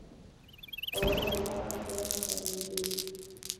خوړل د پاک زړه ښکارندویي ده